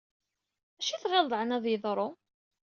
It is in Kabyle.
Acu i t-ɣileḍ aɛni ad yeḍṛu?